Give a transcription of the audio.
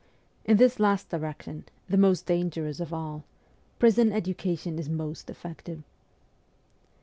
In this last direction the most dangerous of all prison education is most effective.